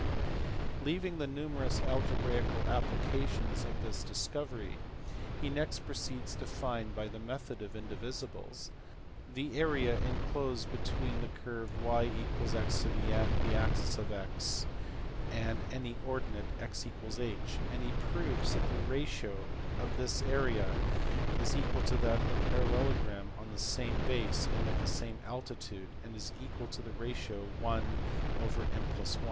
Leaving the numerous algebraical applications of this dis covery he next proceeds to find, by the method of indivisibles, the area enclosed between the curve y = x m , the axis of x, and any ordinate x= h m } and he proves that the ratio of this area to that of the parallelogram on the same base and of the same altitude is equal to the ratio 1 : m + 1